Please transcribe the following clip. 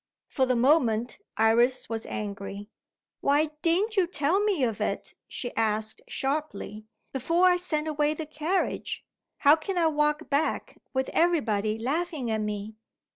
For the moment, Iris was angry. "Why didn't you tell me of it," she asked sharply, "before I sent away the carriage? How can I walk back, with everybody laughing at me?"